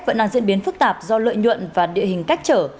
vẫn đang diễn biến phức tạp do lợi nhuận và địa hình cách trở